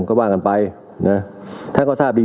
เข้าไปว่ากันไปนะ